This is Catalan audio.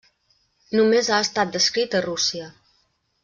Només ha estat descrit a Rússia.